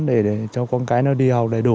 để cho con cái nó đi học đầy đủ